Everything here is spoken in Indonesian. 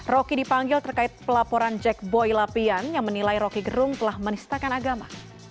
roky dipanggil terkait pelaporan jack boy lapian yang menilai roky gerung telah menistakan agama